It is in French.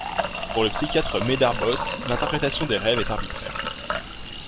Pour le psychiatre Medard Boss, l'interprétation des rêves est arbitraire.